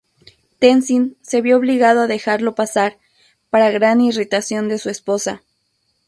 Tenzin se vio obligado a dejarlo pasar, para gran irritación de su esposa.